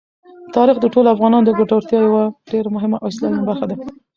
تاریخ د ټولو افغانانو د ګټورتیا یوه ډېره مهمه او اساسي برخه ده.